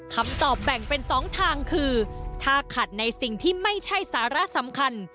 คำตอบแบ่งเป็น๒ทางคือถ้าขัดในสิ่งที่ไม่ใช่สาระสำคัญ